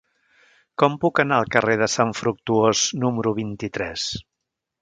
Com puc anar al carrer de Sant Fructuós número vint-i-tres?